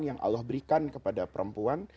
yang allah berikan kepada perempuan